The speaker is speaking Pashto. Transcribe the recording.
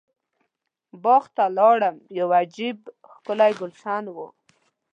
باغ ته لاړم یو عجب ښکلی ګلشن و.